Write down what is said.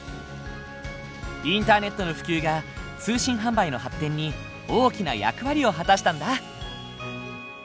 インターネットの普及が通信販売の発展に大きな役割を果たしたんだ。